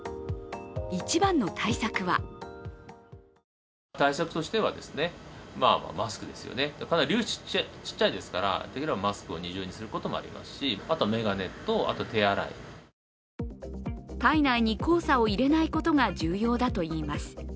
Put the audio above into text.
一番の対策は体内に黄砂を入れないことが重要だといいます。